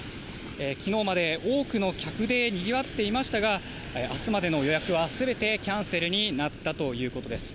きのうまで多くの客でにぎわっていましたが、あすまでの予約はすべてキャンセルになったということです。